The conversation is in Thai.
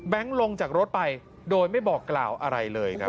ลงจากรถไปโดยไม่บอกกล่าวอะไรเลยครับ